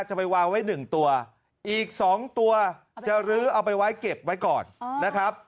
จะไปวางไว้๑ตัวอีก๒ตัวจะรื้อเอาไปไว้เก็บไว้ก่อนนะครับ